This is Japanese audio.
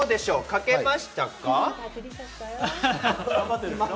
描けましたか？